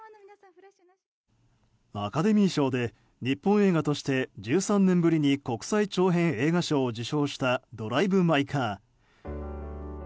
アカデミー賞で日本映画として１３年ぶりに国際長編映画賞を受賞した「ドライブ・マイ・カー」。